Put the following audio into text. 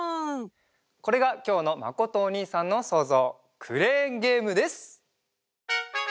これがきょうのまことおにいさんのそうぞうクレーンゲームです！